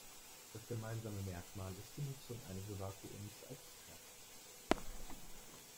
Das gemeinsame Merkmal ist die Nutzung eines Vakuums als Kraft.